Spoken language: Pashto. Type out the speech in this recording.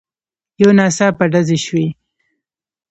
يو ناڅاپه ډزې شوې.